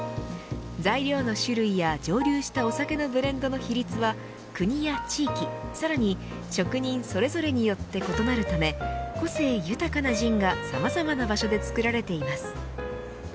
材料の種類や蒸留したお酒のブランドの比率は国や地域さらに職人それぞれによって異なるため個性豊かなジンがさまざまな場所で作られています。